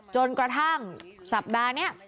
จนกระทั่งสัปดาห์นี้